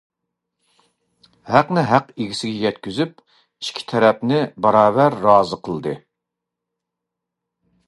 ھەقنى ھەق ئىگىسىگە يەتكۈزۈپ، ئىككى تەرەپنى باراۋەر رازى قىلدى.